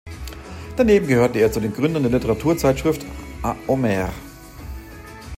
Daneben gehörte er zu den Gründern der Literaturzeitschrift "Ha-Omer".